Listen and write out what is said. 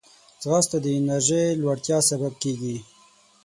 ځغاسته د انرژۍ لوړتیا سبب کېږي